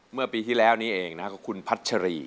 ผู้หลงจันทร์